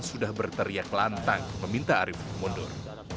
sudah berteriak lantang meminta arief mundur